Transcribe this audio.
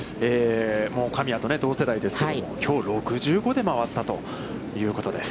神谷と同世代ですけれども、きょう６５で回ったということです。